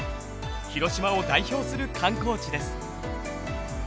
広島を代表する観光地です。